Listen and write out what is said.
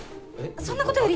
そんなことより！